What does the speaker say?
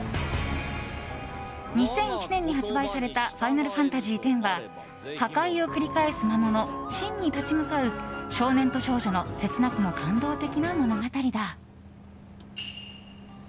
２００１年に発売された「ファイナルファンタジーＸ」は破壊を繰り返す魔物シンに立ち向かう少年と少女の切なくも感動的な物語だ。